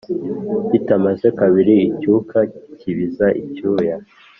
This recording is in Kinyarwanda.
bitamaze kabiri icyuka kibiza icyuya